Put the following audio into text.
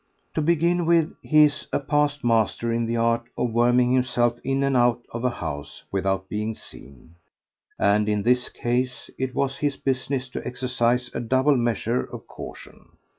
To begin with he is a past master in the art of worming himself in and out of a house without being seen, and in this case it was his business to exercise a double measure of caution.